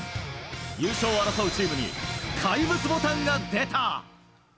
優勝を争うチームに怪物ボタンが出た！